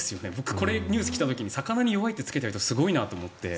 このニュース聞いた時に魚に弱いってつけた人すごいなと思って。